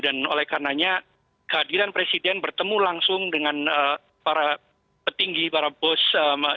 dan oleh karenanya kehadiran presiden bertemu langsung dengan para petinggi para bos